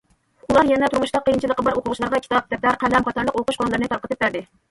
ئۇلار يەنە تۇرمۇشتا قىيىنچىلىقى بار ئوقۇغۇچىلارغا كىتاب، دەپتەر، قەلەم قاتارلىق ئوقۇش قوراللىرىنى تارقىتىپ بەردى.